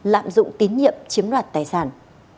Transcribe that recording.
lạm dụng tín nhiệm chiếm đoạt tài sản